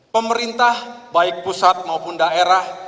pemerintah baik pusat maupun daerah